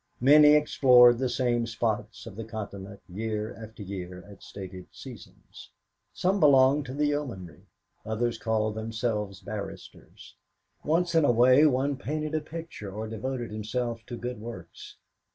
Many explored the same spots of the Continent year after year at stated seasons. Some belonged to the Yeomanry; others called themselves barristers; once in a way one painted a picture or devoted himself to good works.